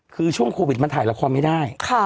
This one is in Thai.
คือช่วงโควิดมันถ่ายละครไม่ได้